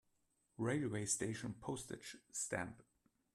Railway station Postage stamp.